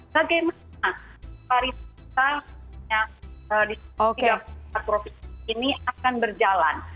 bagaimana pariwisata di tiga puluh empat provinsi ini akan berjalan